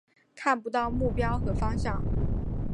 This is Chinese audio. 看不到目标与方向